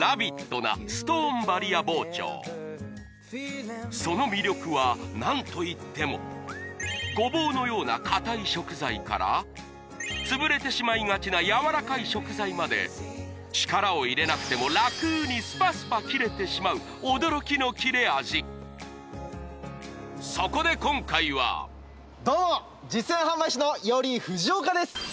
なストーンバリア包丁その魅力は何といってもゴボウのような硬い食材からつぶれてしまいがちなやわらかい食材まで力を入れなくても楽にスパスパ切れてしまうそこで今回はどうも実演販売士のヨリー・フジオカです